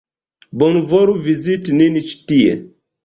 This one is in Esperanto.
Bonvolu viziti nin ĉi tie!